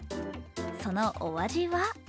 そのお味は？